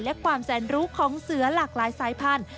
และความแสนรู้ของเสือหลากหลายสายพันธุ